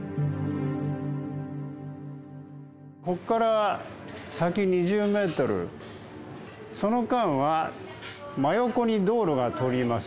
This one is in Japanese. ここから先２０メートル、その間は真横に道路が通ります。